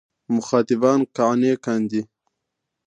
مخاطبان قانع کاندي.